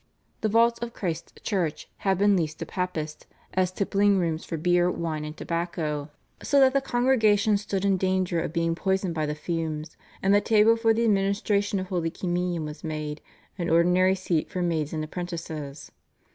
The vaults of Christ's Church had been leased to Papists "as tippling rooms for beer, wine, and tobacco," so that the congregation stood in danger of being poisoned by the fumes, and the table for the administration of Holy Communion was made "an ordinary seat for maids and apprentices."